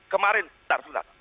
kemarin bentar bentar